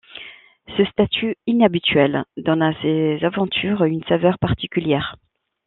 Ce statut inhabituel donne à ses aventures une saveur particulière.